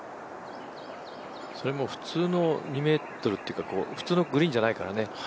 それも普通の２ｍというか、普通のグリーンじゃないからね。